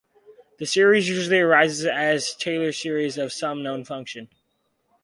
This series usually arises as the Taylor series of some known function.